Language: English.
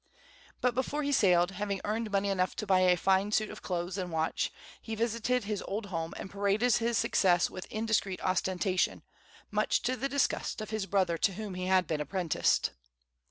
But before he sailed, having earned money enough to buy a fine suit of clothes and a watch, he visited his old home, and paraded his success with indiscreet ostentation, much to the disgust of his brother to whom he had been apprenticed.